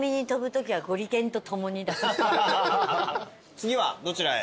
次はどちらへ？